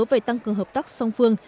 về tăng cường hợp tác song phương